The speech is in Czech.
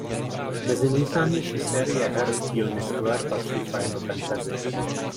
Mezi nejznámější série her z dílny Square patří Final Fantasy.